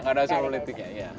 enggak ada suruh politiknya iya